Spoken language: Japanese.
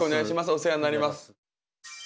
お世話になります。